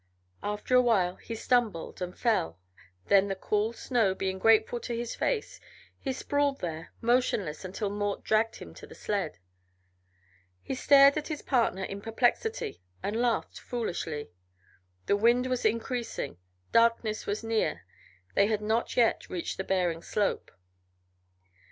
After a while he stumbled and fell, then, the cool snow being grateful to his face, he sprawled there motionless until Mort dragged him to the sled. He stared at his partner in perplexity and laughed foolishly. The wind was increasing, darkness was near, they had not yet reached the Bering slope.